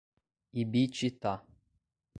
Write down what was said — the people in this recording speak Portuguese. Ibititá